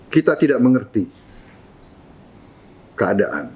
kita tidak mengerti keadaan